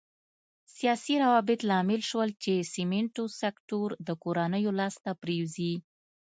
سیاسي روابط لامل شول چې سمنټو سکتور د کورنیو لاس ته پرېوځي.